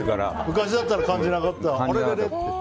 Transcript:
昔だったら感じなかった。